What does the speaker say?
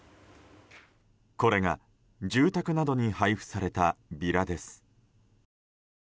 これが住宅などに配布されたビラです。